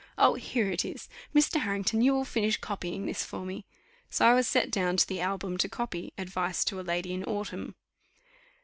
Oh! here it is. Mr. Harrington, you will finish copying this for me." So I was set down to the album to copy Advice to a Lady in Autumn.